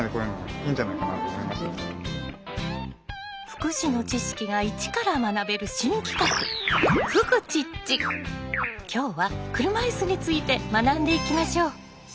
福祉の知識が一から学べる新企画今日は車いすについて学んでいきましょう！